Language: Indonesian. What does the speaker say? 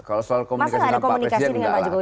kalau soal komunikasi dengan pak presiden enggak lah